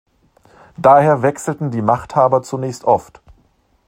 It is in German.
Daher wechselten die Machthaber zunächst oft.